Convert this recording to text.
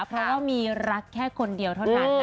เพราะว่ามีรักแค่คนเดียวเท่านั้น